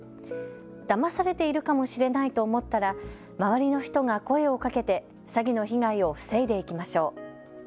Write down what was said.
だまされているかもしれないと思ったら周りの人が声をかけて詐欺の被害を防いでいきましょう。